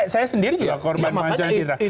saya sendiri juga korban mengajak citra